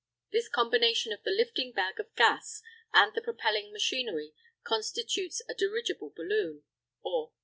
This combination of the lifting bag of gas and the propelling machinery constitutes the dirigible balloon, or airship.